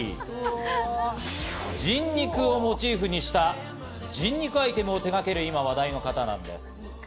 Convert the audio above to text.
人肉をモチーフにした人肉アイテムを手掛ける、今話題の方なんです。